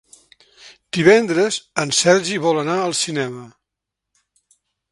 Divendres en Sergi vol anar al cinema.